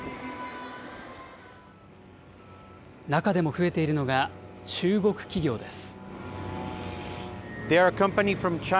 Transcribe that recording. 中でも増えているのが、中国企業です。